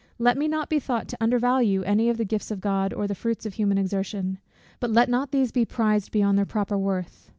Let me not be thought to undervalue any of the gifts of God, or of the fruits of human exertion: but let not these be prized beyond their proper worth.